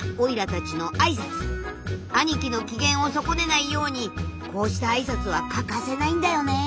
兄貴の機嫌を損ねないようにこうしたあいさつは欠かせないんだよね。